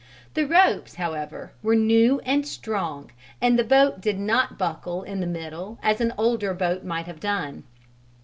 The ropes, however, were new and strong, and the boat did not buckle in the middle as an older boat might have done.